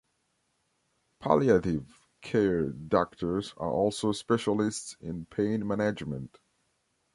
Palliative care doctors are also specialists in pain management.